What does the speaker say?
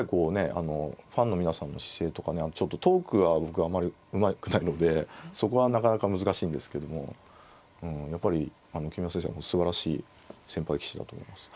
あのファンの皆さんの姿勢とかねちょっとトークは僕はあんまりうまくないのでそこはなかなか難しいんですけどもうんやっぱり木村先生はすばらしい先輩棋士だと思います。